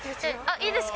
いいですか？